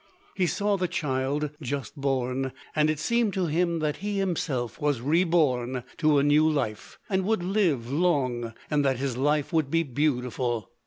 He saw the child, just born, and it seemed to him that he himself was reborn to a new life, and would live long, and that his life would be beautiful.